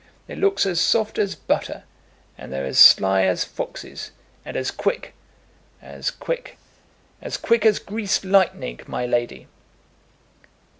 "They looks as soft as butter, and they're as sly as foxes, and as quick, as quick as quick as greased lightning, my lady."